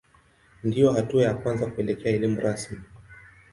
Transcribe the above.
Ndiyo hatua ya kwanza kuelekea elimu rasmi.